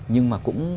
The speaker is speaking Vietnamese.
nhưng mà cũng